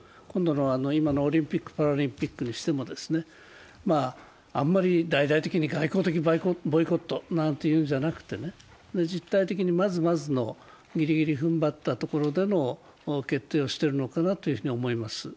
今のオリンピック・パラリンピックにしても、あんまり大々的に外交的ボイコットなんていうんじゃなくて実体的にまずまずのぎりぎり踏ん張ったところでの決定をしてるのかなと思います。